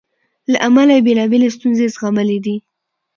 له امله یې بېلابېلې ستونزې زغملې دي.